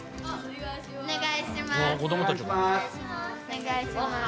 お願いします。